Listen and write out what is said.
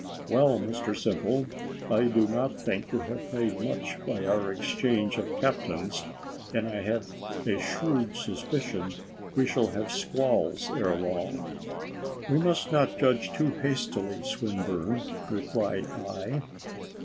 "Well, Mr Simple, I do not think we have made much by our exchange of captains; and I have a shrewd suspicion we shall have squalls ere long." "We must not judge too hastily, Swinburne," replied I.